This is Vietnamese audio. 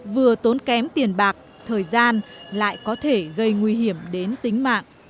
vừa tốn kém tiền bạc thời gian lại có thể gây nguy hiểm đến tính mạng